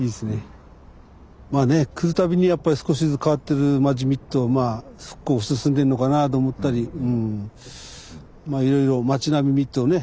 まあね来るたびにやっぱり少しずつ変わってる町見っとまあ復興進んでるのかなと思ったりまあいろいろ町並み見るとね